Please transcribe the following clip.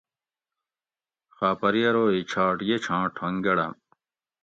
خاپری ارو ہِچھاٹ یہ چھاں ٹھونگ گڑۤم